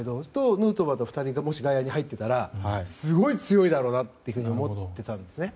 ヌートバーと２人がもし外野に入ってたらすごい強いだろうなと思ってたんです。